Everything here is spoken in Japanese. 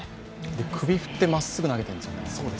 首振ってまっすぐ投げているんですよね。